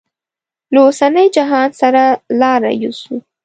له اوسني جهان سره لاره یوسو.